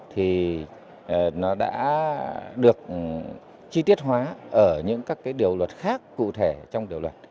thì nó đã được chi tiết hóa ở những các cái điều luật khác cụ thể trong điều luật